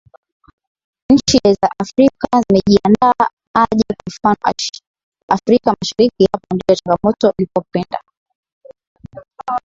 nchi za afrika zimejiandaa aje kwa mfano afrika mashariki hapo ndio changamoto ilipo pendo